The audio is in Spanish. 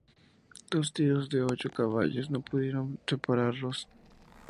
Dos tiros de ocho caballos no pudieron separarlos.